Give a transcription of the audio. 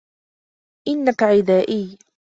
إنك عدائي